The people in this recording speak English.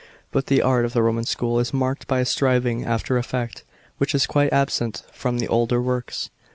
But the art of the Roman school is marked by a striving after effect, which is quite absent from the older works.